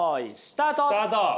スタート。